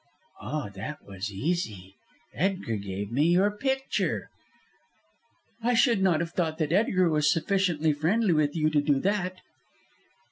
"Oh, that was easy. Edgar gave me your picture." "I should not have thought that Edgar was sufficiently friendly with you to do that."